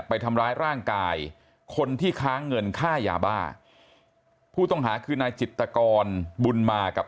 ไปทำร้ายร่างกายคนที่ค้างเงินค่ายาบ้าผู้ต้องหาคือนายจิตกรบุญมากับ